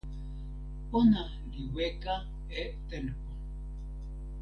ona li weka e tenpo.